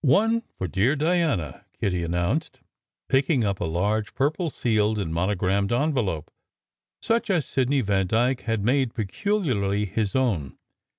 "One for dear Diana," Kitty announced, picking up a large purple sealed and monogrammed envelope, such as Sidney Vandyke had made peculiarly his own.